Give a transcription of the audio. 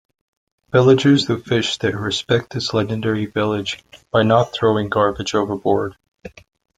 Villagers who fish there respect this legendary village by not throwing garbage overboard.